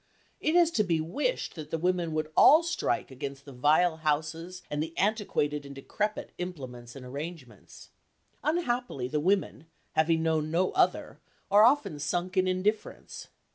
It is to be wished that the women would all strike against the vile houses and the antiquated and decrepit implements and arrangements. Unhappily the women, having known no other, are often sunk in indifference.